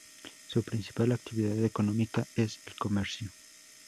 Su principal actividad económica es el comercio.